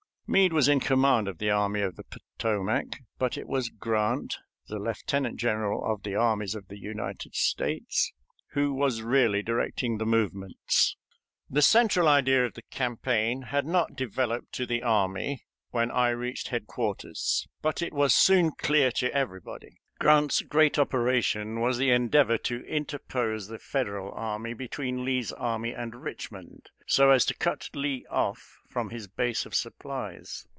Meade was in command of the Army of the Potomac, but it was Grant, the lieutenant general of the armies of the United States, who was really directing the movements. The central idea of the campaign had not developed to the army when I reached headquarters, but it was soon clear to everybody. Grant's great operation was the endeavor to interpose the Federal army between Lee's army and Richmond, so as to cut Lee off from his base of supplies.